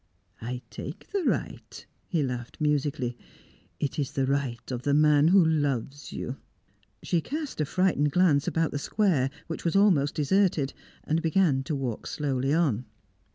"I take the right," he laughed musically. "It is the right of the man who loves you." She cast a frightened glance about the square, which was almost deserted, and began to walk slowly on.